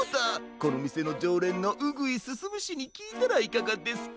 このみせのじょうれんのうぐいすすむしにきいたらいかがですか？